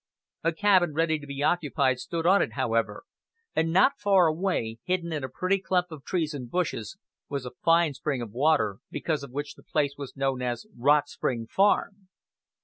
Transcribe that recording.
A cabin ready to be occupied stood on it, however; and not far away, hidden in a pretty clump of trees and bushes, was a fine spring of water, because of which the place was known as Rock Spring Farm.